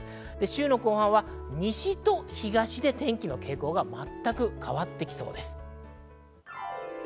週後半は西と東で天気の傾向が全く変わってきそうです。